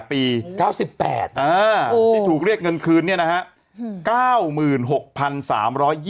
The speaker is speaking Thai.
ปี๙๘ที่ถูกเรียกเงินคืนเนี่ยนะฮะ